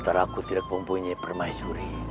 karena aku tidak mempunyai permaisuri